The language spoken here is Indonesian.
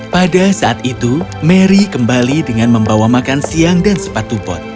pada saat itu mary kembali dengan membawa makan siang dan sepatu bot